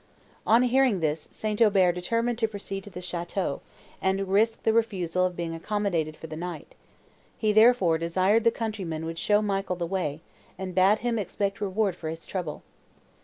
On hearing this, St. Aubert determined to proceed to the château, and risk the refusal of being accommodated for the night; he therefore desired the countryman would show Michael the way, and bade him expect reward for his trouble.